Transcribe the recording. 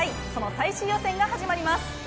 その最終予選が始まります。